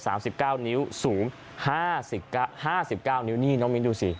สามสิบเก้านิ้วสูงห้าสิบเก้าห้าสิบเก้านิ้วนี่น้องมิ้นดูสิ